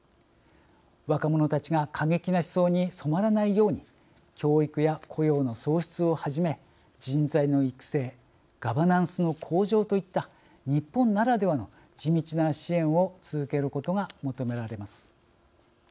若者たちが過激な思想に染まらないように教育や雇用の創出をはじめ人材の育成ガバナンスの向上といった日本ならではの地道な支援を続けることが求められます。